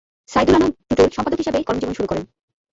সাইদুল আনাম টুটুল চলচ্চিত্র সম্পাদক হিসেবে কর্মজীবন শুরু করেন।